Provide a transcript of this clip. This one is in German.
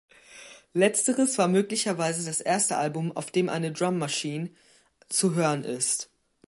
Letzteres war möglicherweise das erste Album, auf dem eine Drum Machine zu hören ist.